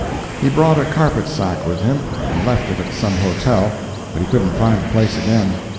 He brought a carpet sack with him, and left it at some hotel, but he can't find the place again.